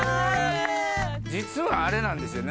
実はあれなんですよね